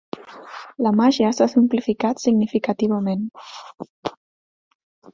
La màgia s'ha simplificat significativament.